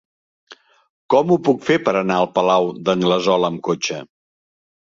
Com ho puc fer per anar al Palau d'Anglesola amb cotxe?